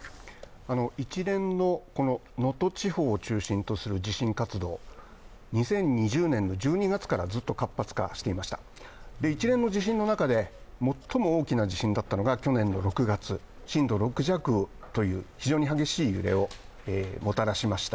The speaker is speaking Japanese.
一連の能登地方を中心とする地震活動、２０２０年の１２月からずっと活発化していました、一連の地震の中で最も大きな地震だったのが去年の６月、震度６弱という非常に激しい揺れをもたらしました。